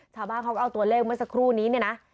ชาวบ้านเขาก็เอาตัวเลขเมื่อสักครู่นี้เนี่ยนะ